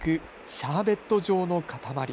シャーベット状の塊。